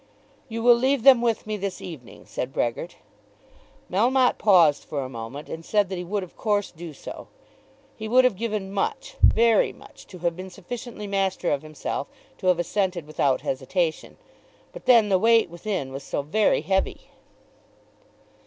"You will leave them with me this evening," said Brehgert. Melmotte paused for a moment, and said that he would of course do so. He would have given much, very much, to have been sufficiently master of himself to have assented without hesitation; but then the weight within was so very heavy!